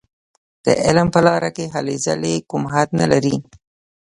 د علم په لاره کې هلې ځلې کوم حد نه لري.